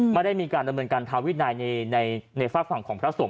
ไม่ได้มีการดำเนินการทางวินัยในฝากฝั่งของพระสงฆ